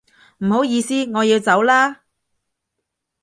唔好意思，我要走啦